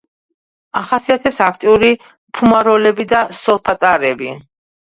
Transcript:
ახასიათებს აქტიური ფუმაროლები და სოლფატარები.